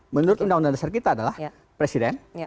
menurut undang undang dasar kita adalah presiden